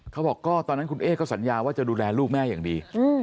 เขาบอกก็ตอนนั้นคุณเอ๊ก็สัญญาว่าจะดูแลลูกแม่อย่างดี